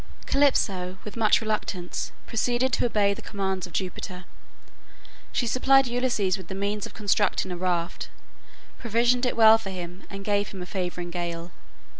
Calypso with much reluctance proceeded to obey the commands of Jupiter. She supplied Ulysses with the means of constructing a raft, provisioned it well for him, and gave him a favoring gale.